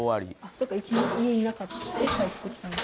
そっか１日家いなくって帰ってきたんだ。